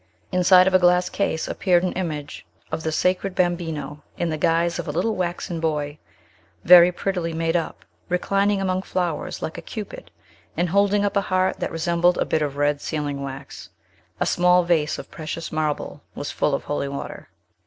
Inside of a glass case appeared an image of the sacred Bambino, in the guise of a little waxen boy, very prettily made, reclining among flowers, like a Cupid, and holding up a heart that resembled a bit of red sealing wax. A small vase of precious marble was full of holy water.